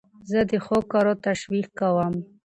زه د ښو کارو تشویق کوم.